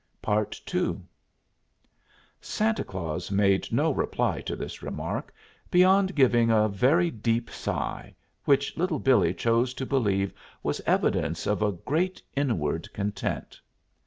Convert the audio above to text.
II Santa Claus made no reply to this remark, beyond giving a very deep sigh, which Little Billee chose to believe was evidence of a great inward content.